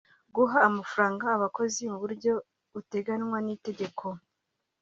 guha amafaranga abakozi mu buryo budateganywa n’itegeko